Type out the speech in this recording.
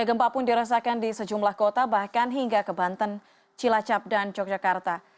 gempa pun dirasakan di sejumlah kota bahkan hingga ke banten cilacap dan yogyakarta